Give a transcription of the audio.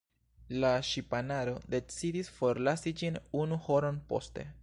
La ŝipanaro decidis forlasi ĝin unu horon poste.